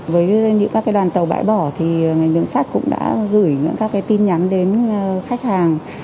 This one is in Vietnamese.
với những các đoàn tàu bãi bỏ thì ngành đường sắt cũng đã gửi những các tin nhắn đến khách hàng